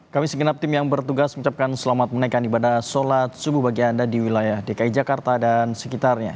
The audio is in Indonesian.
kami segenap tim yang bertugas mengucapkan selamat menaikkan ibadah sholat subuh bagi anda di wilayah dki jakarta dan sekitarnya